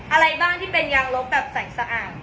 อะไรบ้างที่เป็นยางลบแบบใส่สะอาด